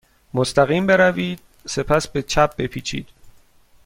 مستقیم بروید. سپس به چپ بپیچید.